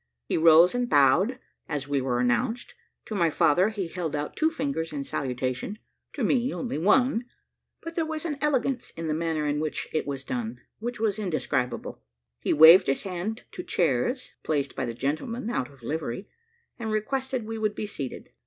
He rose and bowed, as we were announced; to my father he held out two fingers in salutation, to me only one; but there was an elegance in the manner in which it was done, which was indescribable. He waved his hand to chairs, placed by the gentleman out of livery, and requested we would be seated.